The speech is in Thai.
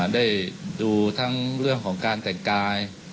ได้ดูทั้งเรื่องของการแต่งกาย